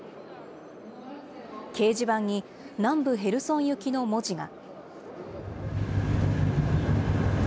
掲示板に南部ヘルソン行きの文字が。